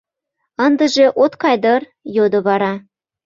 — Ындыже от кай дыр? — йодо вара.